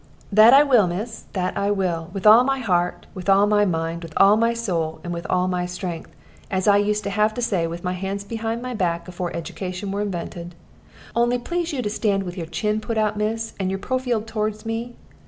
"That I will, miss; that I will, with all my heart, with all my mind, with all my soul, and with all my strength, as I used to have to say with my hands behind my back, afore education were invented. Only please you to stand with your chin put out, miss, and your profield towards me.